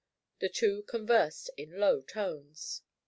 The two conversed in low tones.